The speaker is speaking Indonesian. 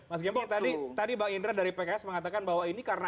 mas gembong tadi bang indra dari pks mengatakan bahwa ini karena